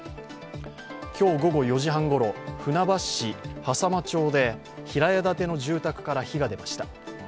今日午後４時半ごろ船橋市飯山満町で平屋建ての住宅から火が出ました。